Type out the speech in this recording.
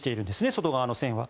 外側の線は。